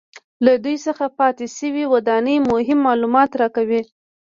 له دوی څخه پاتې شوې ودانۍ مهم معلومات راکوي